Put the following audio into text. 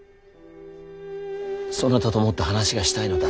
そなたともっと話がしたいのだ。